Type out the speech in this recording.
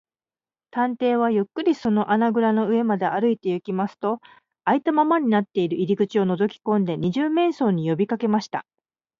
探偵はゆっくりその穴ぐらの上まで歩いていきますと、あいたままになっている入り口をのぞきこんで、二十面相によびかけました。